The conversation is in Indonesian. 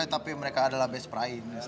eh tapi mereka adalah best friend